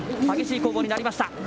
激しい攻防になりました。